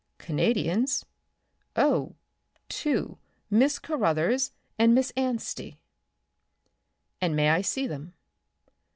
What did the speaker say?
"Canadians? Oh, two Miss Carothers and Miss Anstey." "And may I see them?"